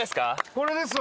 これですわ！